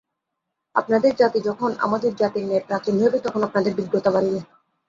আপনাদের জাতি যখন আমাদের জাতির ন্যায় প্রাচীন হইবে, তখন আপনাদের বিজ্ঞতা বাড়িবে।